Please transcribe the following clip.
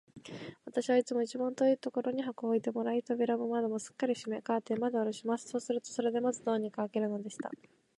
私はいつも一番遠いところに箱を置いてもらい、扉も窓もすっかり閉め、カーテンまでおろします。そうすると、それでまず、どうにか聞けるのでした。